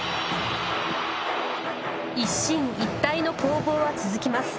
一進一退の攻防は続きます。